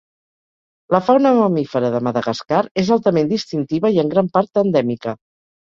La fauna mamífera de Madagascar és altament distintiva i en gran part endèmica.